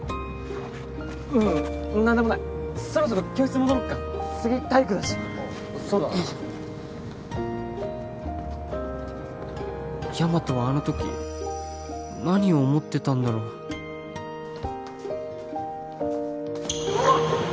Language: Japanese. ううん何でもないそろそろ教室戻ろっか次体育だしそうだなヤマトはあのとき何を思ってたんだろううわっ！